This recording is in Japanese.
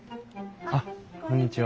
あっこんにちは。